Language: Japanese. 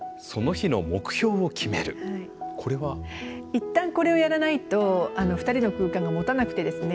一旦これをやらないと２人の空間がもたなくてですね